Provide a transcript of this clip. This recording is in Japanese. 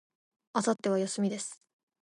明後日は、休みです。